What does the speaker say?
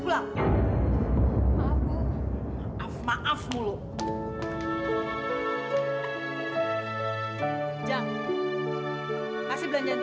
guajang tuannya ga tau